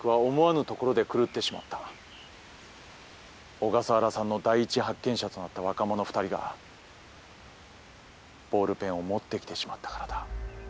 小笠原さんの第一発見者となった若者２人がボールペンを持ってきてしまったからだ。